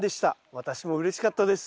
私もうれしかったです。